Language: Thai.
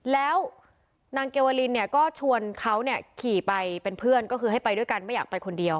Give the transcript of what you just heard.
แล้วนางเกวลินเนี่ยก็ชวนเขาขี่ไปเป็นเพื่อนก็คือให้ไปด้วยกันไม่อยากไปคนเดียว